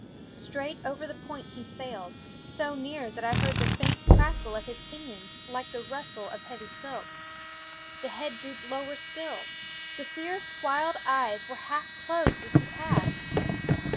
Straight over the point he sailed, so near that I heard the faint crackle of his pinions, like the rustle of heavy silk. The head drooped lower still ; the fierce, wild eyes were half closed as he passed.